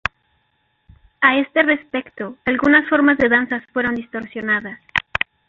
A este respecto, algunas formas de danzas fueron distorsionadas.